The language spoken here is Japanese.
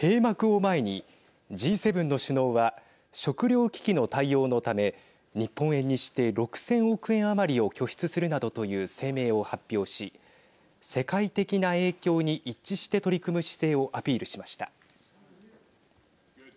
閉幕を前にＧ７の首脳は食料危機の対応のため日本円にして６０００億円余りを拠出するなどという声明を発表し世界的な影響に一致して取り組む姿勢をアピールしました。